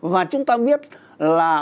và chúng ta biết là